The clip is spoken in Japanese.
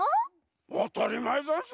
あたりまえざんす。